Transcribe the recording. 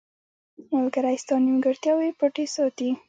• ملګری ستا نیمګړتیاوې پټې ساتي.